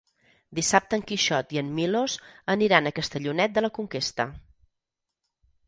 Dissabte en Quixot i en Milos aniran a Castellonet de la Conquesta.